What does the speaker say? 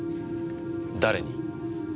誰に？